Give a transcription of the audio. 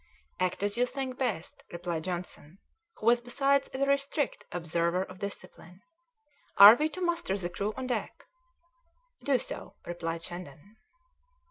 '" "Act as you think best," replied Johnson, who was besides a very strict observer of discipline. "Are we to muster the crew on deck?" "Do so," replied Shandon.